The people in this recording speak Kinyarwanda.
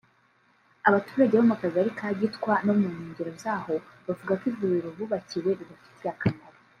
Abaturage bo mu kagari ka Gitwa no mu nkengero zaho bavuga ko ivuriro bubakiwe ribafitiye akamaro